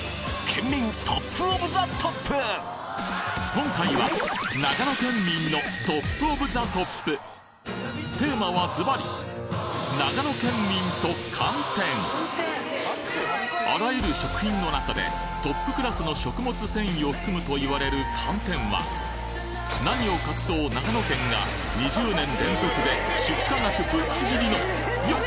今回は長野県民のトップ・オブ・ザ・トップテーマはズバリあらゆる食品の中でトップクラスの食物繊維を含むと言われる寒天は何を隠そう長野県が２０年連続で出荷額ぶっちぎりのよっ！